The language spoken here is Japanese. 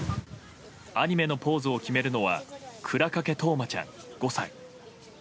アニメのポーズを決めるのは倉掛冬生ちゃん、５歳。